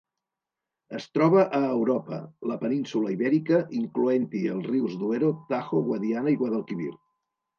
Es troba a Europa: la península Ibèrica, incloent-hi els rius Duero, Tajo, Guadiana i Guadalquivir.